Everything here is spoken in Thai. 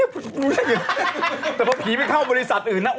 แต่ต้อนเกิดถ่ายผีไม่เข้าที่บริษัทอื่นน่ะ